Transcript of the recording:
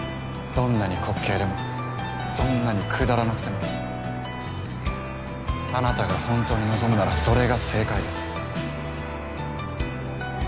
どんなに滑稽でもどんなにくだらなくてもあなたがほんとに望むならそれが正解です。